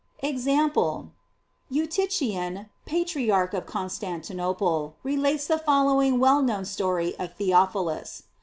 § EXAMPLE. Eutychian, Patriarch of Constantinople, re lates the following well known story of Theo philus.